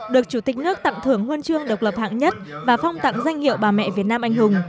được chủ tịch nước tặng thưởng huân chương độc lập hạng nhất và phong tặng danh hiệu bà mẹ việt nam anh hùng